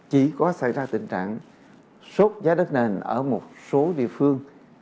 chỉ có xảy ra tình trạng sốt giá đất nền ở một số địa phương